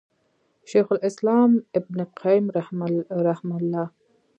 شيخ الإسلام ابن القيّم رحمه الله